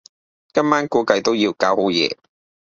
今晚估計都要搞好夜